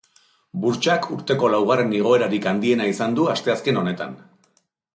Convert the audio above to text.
Burtsak urteko laugarren igoerarik handiena izan du asteazken honetan.